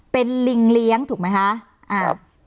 เป็นลิงเลี้ยงถูกไหมคะ